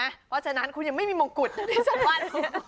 เพราะฉะนั้นคุณยังไม่มีมงกุฎที่ฉันว่า